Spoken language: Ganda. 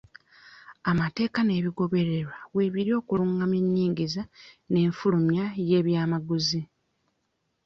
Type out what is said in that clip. Amateeka n'ebigobererwa weebiri okulungamya ennyingiza n'enfulumya y'ebyamaguzi.